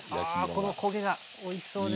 ああこの焦げがおいしそうですね。